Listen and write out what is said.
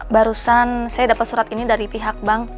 barusan saya dapat surat ini dari pihak bank